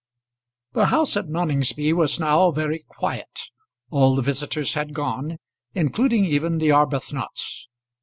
The house at Noningsby was now very quiet. All the visitors had gone, including even the Arbuthnots.